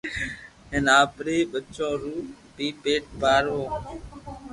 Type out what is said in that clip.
ھين آپري ٻچو رو بي پيت ڀروو